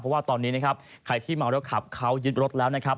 เพราะว่าตอนนี้นะครับใครที่เมาแล้วขับเขายึดรถแล้วนะครับ